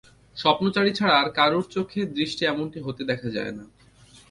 স্বপ্নচারী ছাড়া আর কারুর চোখের দৃষ্টি এমনটি হতে দেখা যায় না।